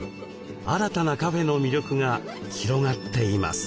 新たなカフェの魅力が広がっています。